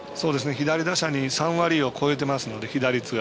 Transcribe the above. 左打者に３割超えてますから、被打率が。